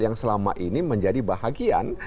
yang selama ini menjadi bahagian